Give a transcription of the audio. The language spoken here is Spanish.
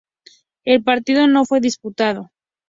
El partido no fue disputado.